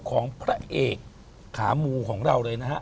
ของพระเอกขามูของเราเลยนะฮะ